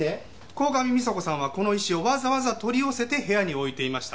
鴻上美沙子さんはこの石をわざわざ取り寄せて部屋に置いていました。